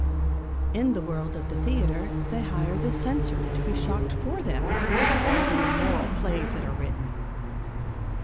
In the world of the theatre they hire the Censor to be shocked for them by all the immoral plays that are written.